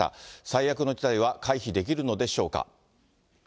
最悪の事態は回避できるのでしょうか。